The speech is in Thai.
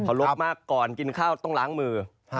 รบมากก่อนกินข้าวต้องล้างมือ